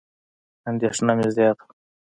اندېښنه مې زیاته وه.